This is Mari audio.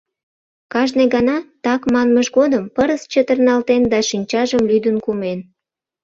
Кажне гана “так” манмыж годым пырыс чытырналтен да шинчажым лӱдын кумен.